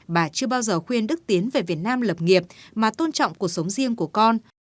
bà chưa bao giờ khuyên đức tiến về việt nam lập nghiệp mà tôn trọng cuộc sống riêng của con